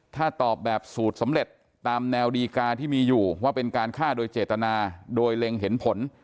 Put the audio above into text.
ถ้าตอบแบบสูตรสำเร็จตามแนวดีกาที่มีอยู่ว่าเป็นการฆ่าโดยเจตนาโดยเล็งเห็นผล